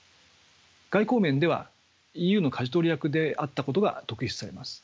外交面ではＥＵの舵取り役であったことが特筆されます。